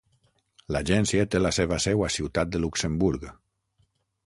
L'agència té la seva seu a Ciutat de Luxemburg.